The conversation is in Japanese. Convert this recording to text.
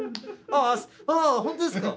ああ本当ですか。